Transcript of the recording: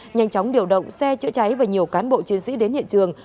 nhanh chóng điều động xe chữa cháy và nhiều cán bộ chiến sĩ đến hiện trường